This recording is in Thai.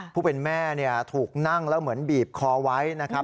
ผู้เป็นแม่ถูกนั่งแล้วเหมือนบีบคอไว้นะครับ